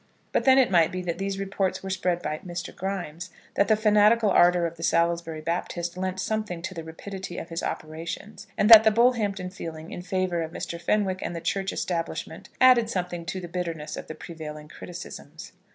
But then it might be that these reports were spread by Mr. Grimes, that the fanatical ardour of the Salisbury Baptist lent something to the rapidity of his operations, and that the Bullhampton feeling in favour of Mr. Fenwick and the Church Establishment added something to the bitterness of the prevailing criticisms.